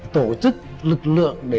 tổ chức lực lượng công an